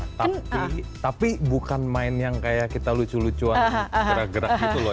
tapi tapi bukan main yang kayak kita lucu lucuan gerak gerak gitu loh